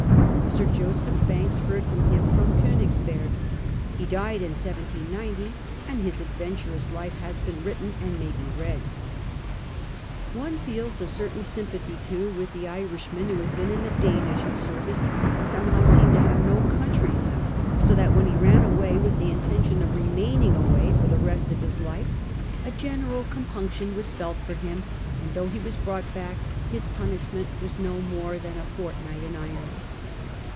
Sir Joseph Banks heard from him from Konigsbeig. He died in 1790, and his adven turous life has been written and may be read. One feels a certain sympathy, too, with the Irishman who had been in the Danish service, and somehow seemed to have no country left, so tliat when he ran away with the intention of remaining away for the rest of his life, a general compunction was felt for him, and though he was brought back his punishment was no more than a i 82 CAPTAIN COOK CHAP. fortnight in irons.